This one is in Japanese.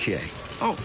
あっ！